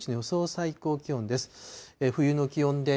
最高気温です。